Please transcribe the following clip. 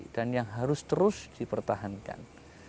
dan yang harus terus dipertahankan